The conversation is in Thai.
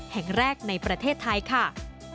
แห่งแรกในประเทศไทยค่ะ